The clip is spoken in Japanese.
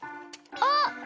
あっ！